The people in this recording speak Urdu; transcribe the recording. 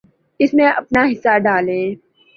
اس میں اپنا حصہ ڈالیں۔